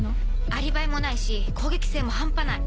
アリバイもないし攻撃性も半端ない。